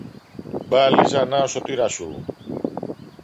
Μπα, Λίζα, να ο σωτήρας σου!